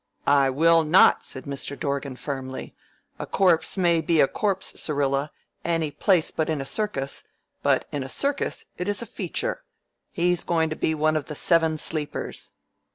"I will not," said Mr. Dorgan firmly. "A corpse may be a corpse, Syrilla, any place but in a circus, but in a circus it is a feature. He's goin' to be one of the Seven Sleepers."